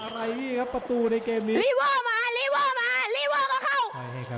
โรค